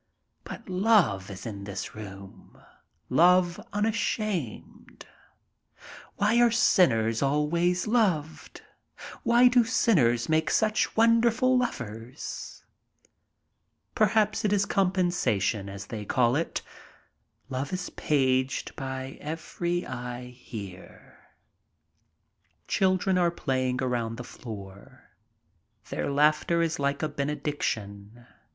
But love is in this room, love unashamed. Why aie sinners always loved ? Why do sinners make such wonderful lovers ? Perhaps it is compensation, as they call it. Love is paged by every eye here. Children are playing around the floor. Their laughter is like a benediction.